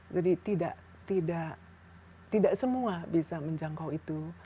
jadi tidak semua bisa menjangkau itu